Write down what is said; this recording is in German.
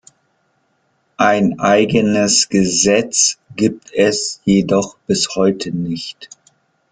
Ein eigenes Gesetz gibt es jedoch bis heute nicht.